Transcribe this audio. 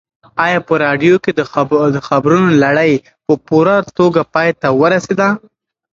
ایا په راډیو کې د خبرونو لړۍ په پوره توګه پای ته ورسېده؟